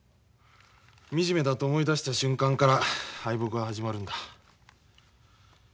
惨めだと思いだした瞬間から敗北が始まるんだ。